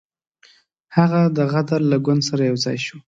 هغه د غدر له ګوند سره یو ځای شو.